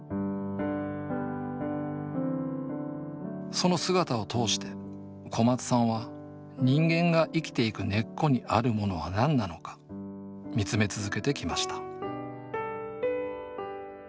その姿を通して小松さんは人間が生きていく根っこにあるものは何なのかみつめ続けてきました